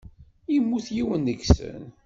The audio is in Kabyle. Yemmut yiwen deg-sen.